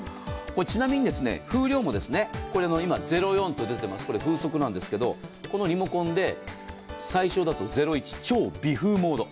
ちなみに風量も今、０４と出てます、これ、風速なんですけど、これをリモコンで最小だと０１で超微風モード。